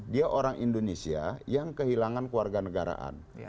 dia orang indonesia yang kehilangan keluarga negaraan